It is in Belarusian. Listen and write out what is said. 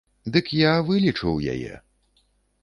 Дык я вылічыў яе!